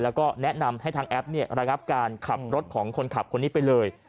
แล้วก็แนะนำให้ทางแอประงับการขับรถของคนขับคนนี้ไปเลย